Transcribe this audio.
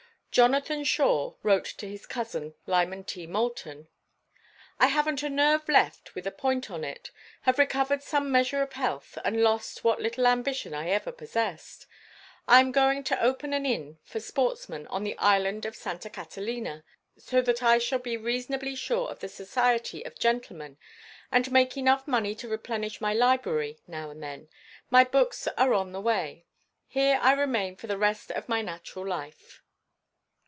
Jonathan Shore wrote to his cousin, Lyman T. Moulton: "I haven't a nerve left with a point on it; have recovered some measure of health and lost what little ambition I ever possessed. I am going to open an inn for sportsmen on the island of Santa Catalina, so that I shall be reasonably sure of the society of gentlemen and make enough money to replenish my library now and then—my books are on the way. Here I remain for the rest of my natural life."